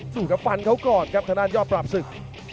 สูดกับปันเขาก่อนครับขนาดยอดปรับสึก